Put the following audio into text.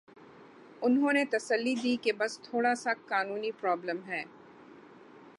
انہوں نے تسلی دی کہ بس تھوڑا سا قانونی پرابلم ہے۔